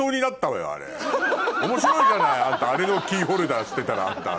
面白いじゃないあれのキーホルダーしてたらあんた。